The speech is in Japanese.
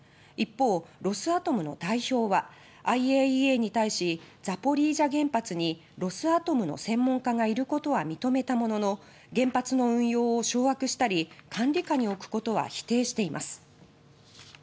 一方、ロスアトムの代表はＩＡＥＡに対しザポーリジャ原発にロスアトムの専門家がいることは認めたものの原発の運用を掌握したり管理下に置くことは否定しています。